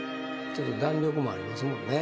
ちょっと弾力もありますもんね